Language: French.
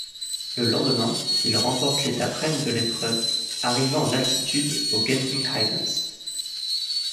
Le lendemain, il remporte l'étape reine de l'épreuve, arrivant en altitude aux Genting Highlands.